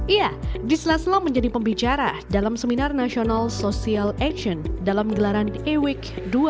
iya diselaslah menjadi pembicara dalam seminar nasional social action dalam gelaran ewic dua ribu delapan belas